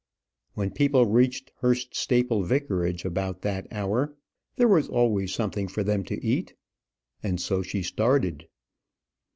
When people reached Hurst Staple Vicarage about that hour, there was always something for them to eat. And so she started.